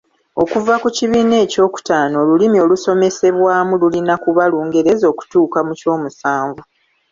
Okuva ku kibiina ekyokutaano Olulmi olusomesebwamu lulina kuba Lungereza okutuuka mu kyomusanvu.